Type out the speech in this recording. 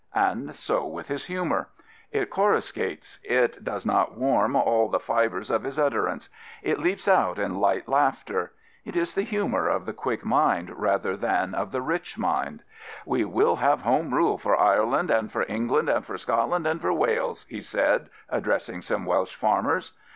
And so with his humour. It coruscates; it does not warm all the fibres of his utterance. It leaps out in light laughter. It is the humour of the quick mind rather than of the rich mind. " We will have Home Rule for Ireland and for England and for Scotland and for Wales/' he said, addressing some Welsh farmers.